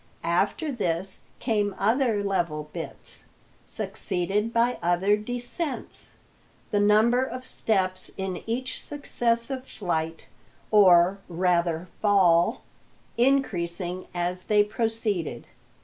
After this came other level bits, succeeded by other descents, the number of steps in each successive flight or, rather, fall increasing as they proceeded.